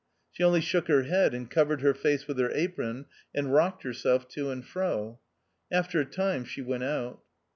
She only shook her head, and covered her face with her apron, and rocked herself to and fro. After a time she went out.